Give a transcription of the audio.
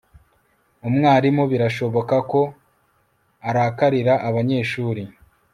umwarimu birashoboka ko arakarira abanyeshuri